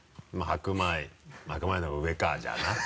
白米のほうが上かじゃあな。